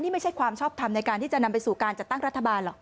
นี่ไม่ใช่ความชอบทำในการที่จะนำไปสู่การจัดตั้งรัฐบาลหรอก